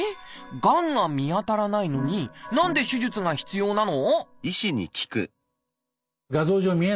がんが見当たらないのに何で手術が必要なの？